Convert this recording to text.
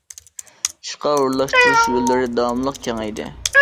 ئىشقا ئورۇنلاشتۇرۇش يوللىرى داۋاملىق كېڭەيدى.